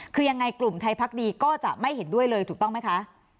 คือยังไงกลุ่มไทยพักดีก็จะไม่เห็นด้วยเลยถูกต้องไหมคะ